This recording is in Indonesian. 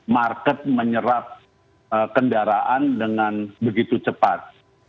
market menyerap kendaraan dengan begitu cepat